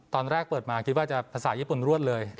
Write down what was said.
ตอนแรกเปิดมาคิดว่าจะภาษาญี่ปุ่นรวดเลย